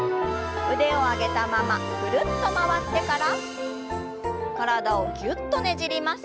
腕を上げたままぐるっと回ってから体をぎゅっとねじります。